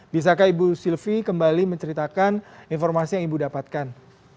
bisakah ibu sylvie kembali menceritakan informasi yang ibu dapatkan